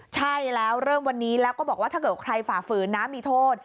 ใช่แล้วเริ่มวันนี้แล้วก็บอกว่าถ้าเกิดใครฝ่าฝืนนะมีโทษ